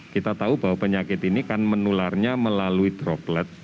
kita tahu bahwa penyakit ini kan menularnya melalui droplet